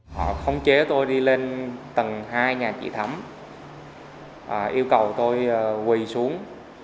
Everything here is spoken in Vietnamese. họ khống chế tôi đi lên tầng hai nhà chị thắm yêu cầu tôi quỳ xuống